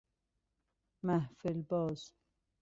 محفل باز